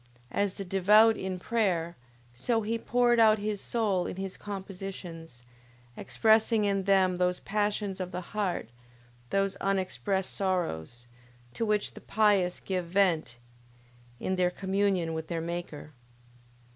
As the devout in prayer, so he poured out his soul in his compositions, expressing in them those passions of the heart, those unexpressed sorrows, to which the pious give vent in their communion with their Maker.